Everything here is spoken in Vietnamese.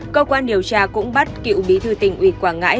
cơ quan điều tra cũng bắt cựu bí thư tỉnh ủy quảng ngãi